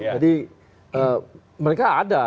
jadi mereka ada